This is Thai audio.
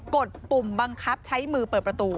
ดปุ่มบังคับใช้มือเปิดประตู